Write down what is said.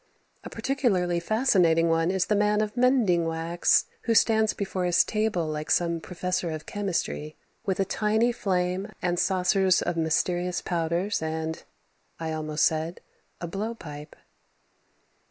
A particularly fascinating one is the man of mending wax who stands before his table like some professor of chemistry with a tiny flame and saucers of mysterious powders and, I almost said, a blow pipe.